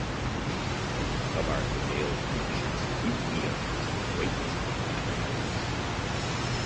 In summer the male Finsch's wheatear is a white and black bird.